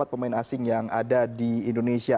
delapan puluh empat pemain asing yang ada di indonesia